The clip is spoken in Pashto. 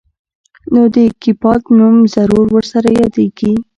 نو د کيپات نوم ضرور ورسره يادېږي.